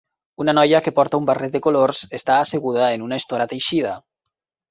Una noia que porta un barret de colors està asseguda en una estora teixida.